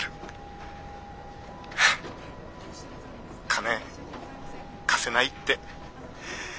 金貸せないって。